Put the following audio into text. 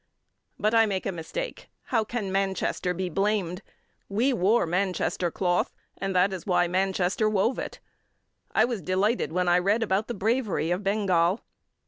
But I make a mistake. How can Manchester be blamed? We wore Manchester cloth, and that is why Manchester wove it. I was delighted when I read about the bravery of Bengal.